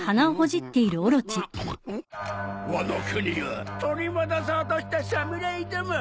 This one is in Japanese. ワノ国を取り戻そうとした侍ども。